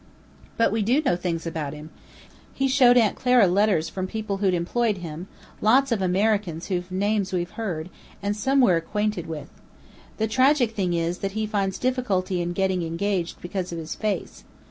"But we do know things about him. He showed Aunt Clara letters from people who'd employed him, lots of Americans whose names we've heard, and some we're acquainted with. The tragic thing is, that he finds difficulty in getting engaged because of his face.